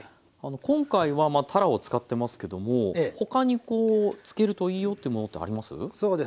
今回はたらを使ってますけども他にこう漬けるといいよというものってあります？